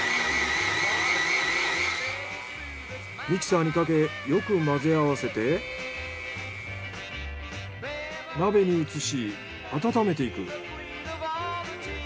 ミキサーにかけよく混ぜ合わせて鍋に移し温めていく。